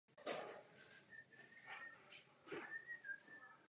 Koncem této dekády se začaly objevovat i komplikace u trati vedené do Lázní Bohdaneč.